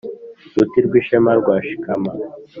Ruti rw'ishema rwa Shikama